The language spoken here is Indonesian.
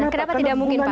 kenapa tidak mungkin pak